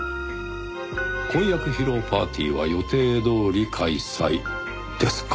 婚約披露パーティーは予定どおり開催ですか。